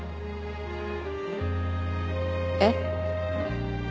えっ？